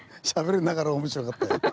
しゃべりながら面白かったよ。